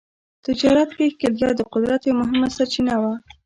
تجارت کې ښکېلتیا د قدرت یوه مهمه سرچینه وه.